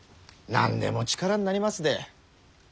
何でも力になりますで。